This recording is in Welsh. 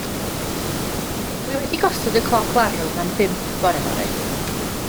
Wi wedi gosod y cloc larwm am bump bore fory.